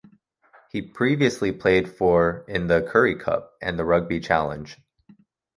He previously played for in the Currie Cup and the Rugby Challenge.